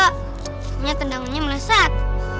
ternyata tangannya meleset